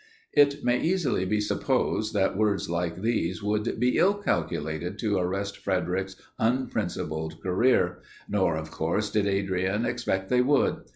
It may easily be supposed, that words like these would be ill calculated to arrest Frederic's unprincipled career; nor, of course, did Adrian expect they would.